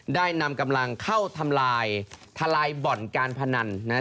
ได้นำกำลังเข้าทำลายทะลายบ่อนการพนันนะครับ